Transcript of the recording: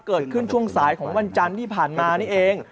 เกิดขึ้นช่วงสายของวันจันทร์ที่ผ่านมานี้เอง